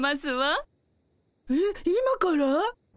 えっ今から？